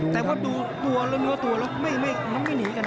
แต่ว่าของตัวเนี่ยมันไม่หนีกันนะ